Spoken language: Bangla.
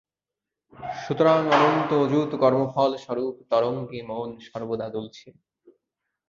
সুতরাং অনন্ত অযুত কর্মফলরূপ তরঙ্গে মন সর্বদা দুলছে।